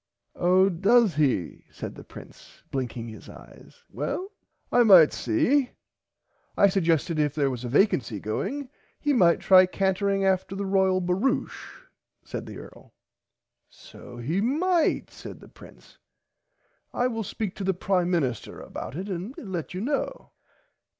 Oh dose he said the prince blinking his eyes well I might see. I suggested if there was a vacency going he might try cantering after the royal barouche said the earl. So he might said the prince I will speak [Pg 73] to the prime Minister about it and let you know.